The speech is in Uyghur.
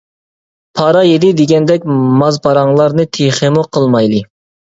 پارا يېدى دېگەندەك ماز پاراڭلارنى تېخىمۇ قىلمايلى.